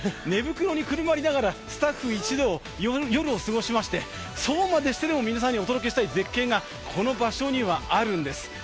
寝袋にくるまりながら、スタッフ一同夜を過ごしまして、そうまでしてでも皆さんにお届けしたい絶景がこの場所にはあるんです。